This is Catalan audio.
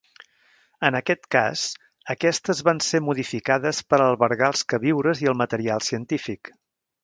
En aquest cas aquestes van ser modificades per albergar els queviures i el material científic.